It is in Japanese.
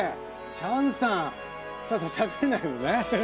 チャンさん、しゃべれないもんね。